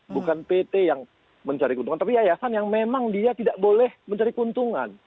bukan pt yang mencari keuntungan tapi yayasan yang memang dia tidak boleh mencari keuntungan